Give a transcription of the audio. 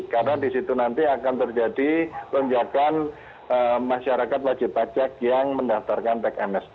karena di situ nanti akan terjadi lenjakan masyarakat wajib pajak yang mendaftarkan tech mst